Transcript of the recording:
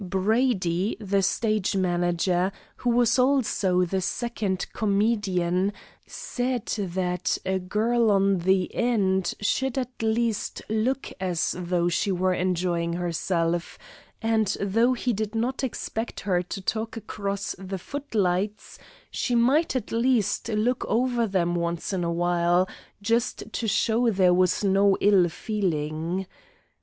Brady, the stage manager, who was also the second comedian, said that a girl on the end should at least look as though she were enjoying herself, and though he did not expect her to talk across the footlights, she might at least look over them once in a while, just to show there was no ill feeling.